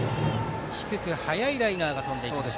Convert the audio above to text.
低く速いライナーが飛びました。